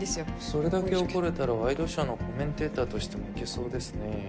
それだけ怒れたらワイドショーのコメンテーターとしてもいけそうですね。